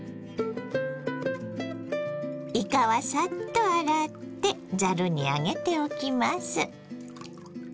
いかはサッと洗ってざるに上げておきます。